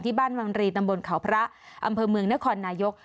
บ้านวังรีตำบลเขาพระอำเภอเมืองนครนายก